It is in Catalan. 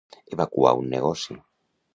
Evacuar un negoci.